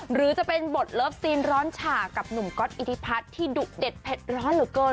หรือจะเป็นบทเลิฟซีนร้อนฉ่ากับหนุ่มก๊อตอิทธิพัฒน์ที่ดุเด็ดเผ็ดร้อนเหลือเกิน